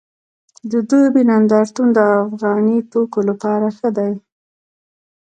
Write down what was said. د دوبۍ نندارتون د افغاني توکو لپاره ښه دی